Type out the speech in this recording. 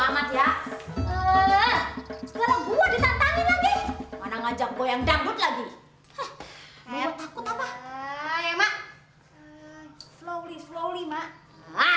mak mak mak sekali lagi coba